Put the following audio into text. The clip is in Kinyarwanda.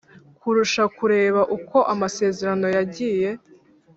Kurusha kureba uko amasezerano yagiye